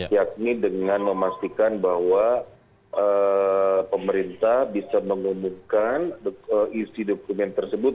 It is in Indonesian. yakni dengan memastikan bahwa pemerintah bisa mengumumkan isi dokumen tersebut